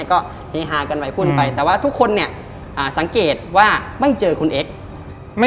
ก็เฮฮากันไปพูดไปแต่ว่าทุกคนเนี่ยสังเกตว่าไม่เจอคุณเอ็กซ์ไม่